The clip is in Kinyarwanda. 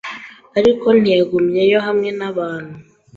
Ariko ntiyagumyeyo hamwe nabantu